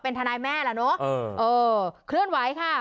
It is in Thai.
ปอล์กับโรเบิร์ตหน่อยไหมครับ